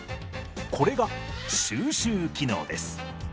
これが収集機能です。